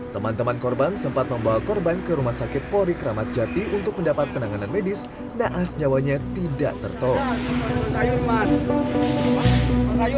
teman teman korban sempat membawa korban ke rumah sakit polri kramat jati untuk mendapat penanganan medis naas nyawanya tidak tertolong